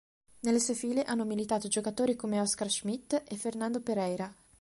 Nelle sue file hanno militato giocatori come Oscar Schmidt e Fernando Pereira.